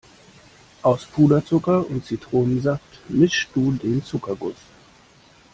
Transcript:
Aus Puderzucker und Zitronensaft mischst du den Zuckerguss.